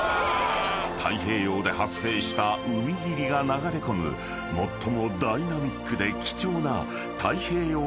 ［太平洋で発生した海霧が流れ込む最もダイナミックで貴重な］